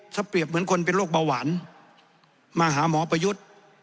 ถ้าเปรียบเหมือนคนเป็นโรคเบาหวานมาหาหมอประยุทธ์